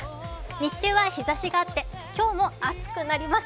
日中は日ざしがあって、今日も暑くなります。